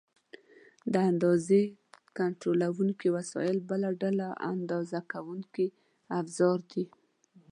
د اندازې کنټرولونکي وسایل بله ډله اندازه کوونکي افزار دي.